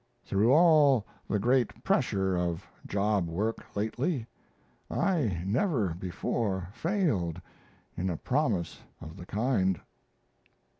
Through all the great pressure of job work lately, I never before failed in a promise of the kind...